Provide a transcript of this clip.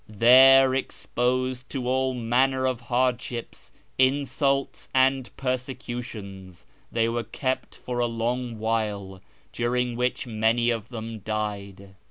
There, exposed to all manner of hardships, insults, and persecutions, they were kept for a long while, during which many of them died.